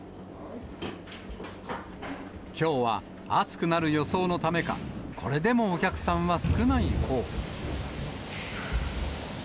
きょうは暑くなる予想のためか、これでもお客さんは少ないほう。